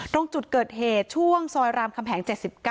ตรงจุดเกิดเหตุช่วงซอยรามคำแหง๗๙